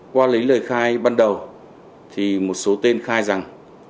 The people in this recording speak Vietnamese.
qua lấy lời khai ban đầu thì một số tên khai rằng